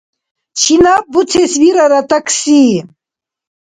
Чинаб буцес вирара такси?